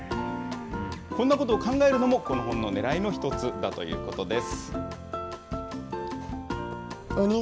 こんなことを考えるのもこの本のねらいの一つだということです。